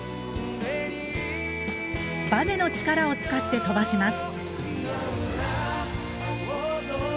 バネの力を使って飛ばします。